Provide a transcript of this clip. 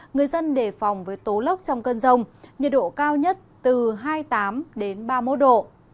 người dân đề phòng với tố lốc trong cơn rông nhiệt độ cao nhất từ hai mươi tám ba mươi một độ